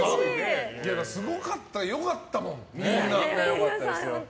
すごかった、良かったもん。